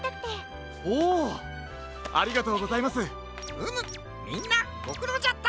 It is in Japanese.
うむみんなごくろうじゃった。